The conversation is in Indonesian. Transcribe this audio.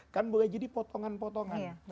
kan boleh jadi potongan potongan